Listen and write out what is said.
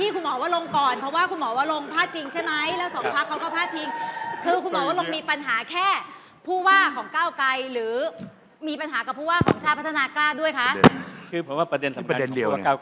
คือต้องกลับมาที่คุณหมอวะลงก่อนเพราะว่าคุณหมอวะลงพาดพิงใช่ไหม